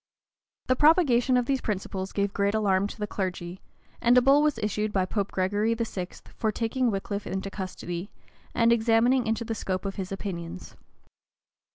The propagation of these principles gave great alarm to the clergy; and a bull was issued by Pope Gregory XI. for taking Wickliffe into custody, and examining into the scope of his opinions.